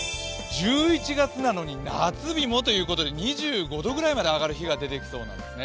１１月なのに夏日もということで２５度くらいまで上がる日が出てきそうなんですね。